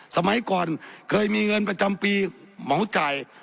สมัยก่อนเคยมีเงินประจำปีเหมาจ่าย